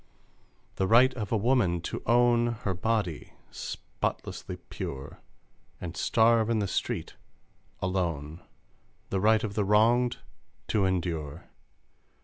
The right of a woman to own Her body spotlessly pure, And starve in the street alone! The right of the wronged to endure